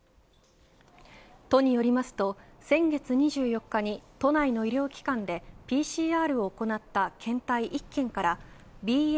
都によりますと先月２４日に都内の医療機関でＰＣＲを行った検体１件からＢＡ